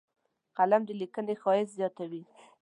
قلم د لیکنې ښایست زیاتوي